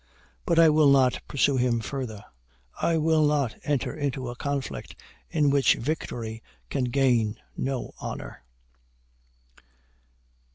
But I will not pursue him further. I will not enter into a conflict in which victory can gain no honor."